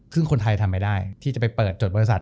ซึ่งคนไทยทำไม่ได้ที่จะไปเปิดจดบริษัท